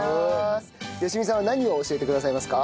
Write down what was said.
好未さんは何を教えてくださいますか？